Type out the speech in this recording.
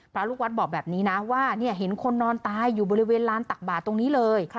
พระลูกวัดบอกแบบนี้นะว่าเห็นคนนอนตายอยู่บริเวณลานตักบาทตรงนี้เลย